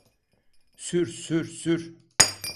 Sür, sür, sür!